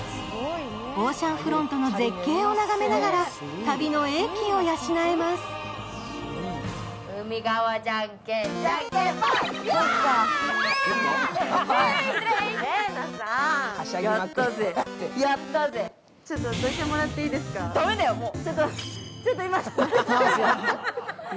オーシャンフロントの絶景を眺めながら旅の英気を養います。